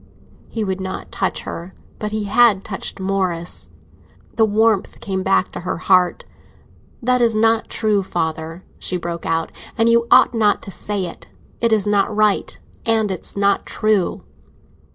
He would not touch her, but he had touched Morris. The warmth came back to her heart. "That is not true, father," she broke out, "and you ought not to say it! It is not right, and it's not true!"